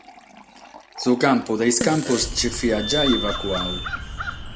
Su campu de sos campos nche fiat giai evacuadu.